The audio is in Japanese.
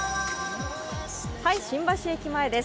新橋駅前です。